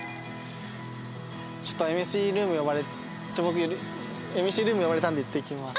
ちょっとＭＣルーム呼ばれ僕ＭＣルーム呼ばれたんでいってきます。